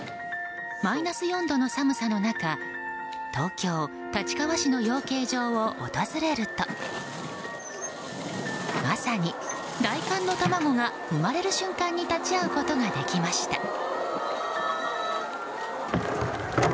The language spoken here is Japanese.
マイナス４度の寒さの中東京・立川市の養鶏場を訪れるとまさに大寒の卵が生まれる瞬間に立ち会うことができました。